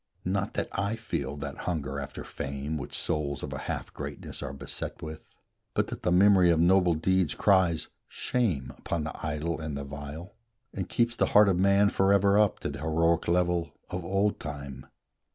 Not that I feel that hunger after fame, Which souls of a half greatness are beset with; But that the memory of noble deeds Cries, shame upon the idle and the vile, And keeps the heart of Man forever up To the heroic level of old time.